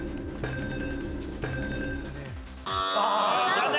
残念。